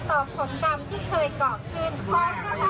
ขอบคุณประชาชนชาวใกล้ทุกคน